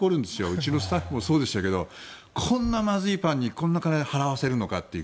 うちのスタッフもそうでしたけどこんなまずいパンにこんな金を払わせるのかと。